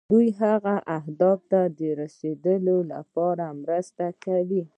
دوی هدف ته د رسیدو لپاره مرسته کوي.